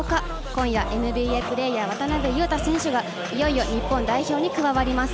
今夜、ＮＢＡプレーヤー渡邊雄太選手がいよいよ日本代表に加わります。